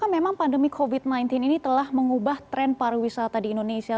memang pandemi covid sembilan belas ini telah mengubah tren pariwisata di indonesia